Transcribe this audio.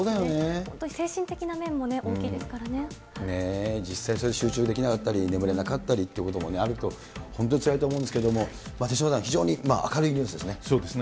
本当、精神的な面も大きいで実際、集中できなかったり、眠れなかったりということもあると、本当につらいと思うんですけど、手嶋さん、非常に明るいニュースですね。